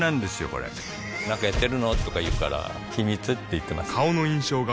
これなんかやってるの？とか言うから秘密って言ってます